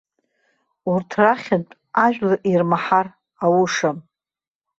Урҭ рахьынтә ажәлар ирмаҳар аушам.